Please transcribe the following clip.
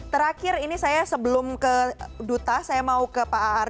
terakhir ini saya sebelum ke duta saya mau ke pak aar